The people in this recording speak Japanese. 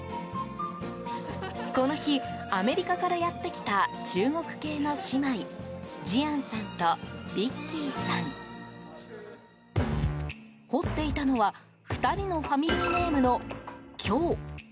この日、アメリカからやってきた中国系の姉妹ジアンさんとヴィッキーさん。彫っていたのは、２人のファミリーネームのキョウ。